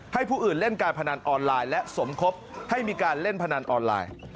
ให้ผู้อื่นเล่นการพนันออนไลน์และสมคบให้มีการเล่นพนันออนไลน์